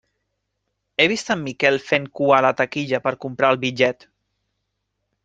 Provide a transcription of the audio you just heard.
He vist en Miquel fent cua a la taquilla per comprar el bitllet.